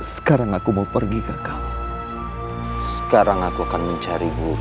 sekarang aku mau pergi ke kamu sekarang aku akan mencari guru